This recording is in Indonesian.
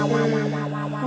ya udah pingsan deh